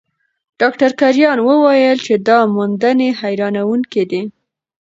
ډاکټر کرایان وویل چې دا موندنې حیرانوونکې دي.